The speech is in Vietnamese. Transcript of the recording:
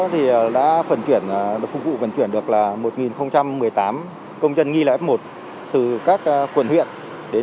thì đã phần chuyển phục vụ vận chuyển được là một một mươi tám công dân nghi là f một từ các quần huyện đến